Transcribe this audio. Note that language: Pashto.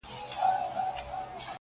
داده غاړي تعويزونه زما بدن خوري.